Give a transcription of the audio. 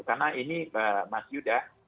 karena ini mas yuda